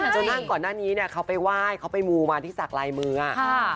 จนก่อนหน้านี้เขาไปว่ายเขาไปมูมาที่ศักรายมืออ่ะ